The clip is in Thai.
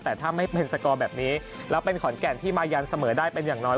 แต่ถ้าไม่เป็นสกอร์แบบนี้แล้วเป็นขอนแก่นที่มายันเสมอได้เป็นอย่างน้อย